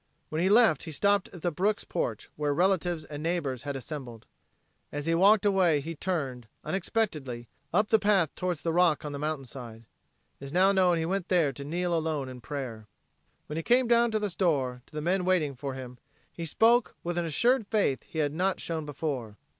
When he left he stopped at the Brooks' porch where relatives and neighbors had assembled. As he walked away he turned, unexpectedly, up the path toward the rock on the mountainside. It is now known he went there to kneel alone in prayer. When he came down to the store, to the men waiting for him, he spoke with an assured faith he had not shown before.